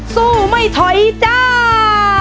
สู้ไม่ถอยจ้า